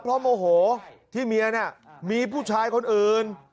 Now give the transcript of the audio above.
เพราะโมโหที่เมียน่ะมีผู้ชายคนอื่น